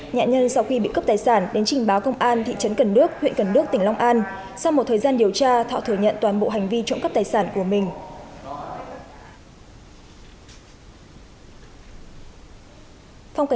nạn nhân sau khi bị cướp tài sản đến trình báo công an thị trấn cần đước huyện cần đước tỉnh long an sau một thời gian điều tra thọ thừa nhận toàn bộ hành vi trộm cắp tài sản của mình